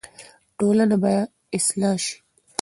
ټولنه به اصلاح شي.